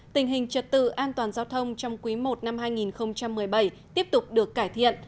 tình hình trật tự an toàn giao thông trong quý i năm hai nghìn một mươi bảy tiếp tục được cải thiện